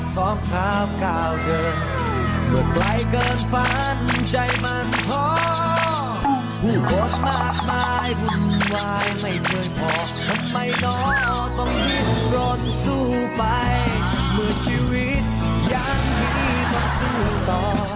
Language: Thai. ต้องรนสู้ไปเหมือนชีวิตอย่างนี้ต้องสู้ต่อ